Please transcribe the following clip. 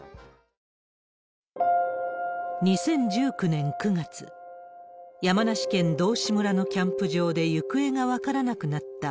２０１９年９月、山梨県道志村のキャンプ場で行方が分からなくなった、